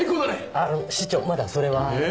あの市長まだそれは。え？